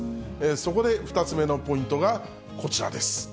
そこで、２つ目のポイントがこちらです。